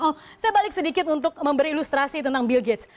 oh saya balik sedikit untuk memberi ilustrasi tentang bill gates